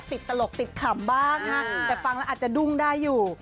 ตลกติดขำบ้างนะฮะแต่ฟังแล้วอาจจะดุ้งได้อยู่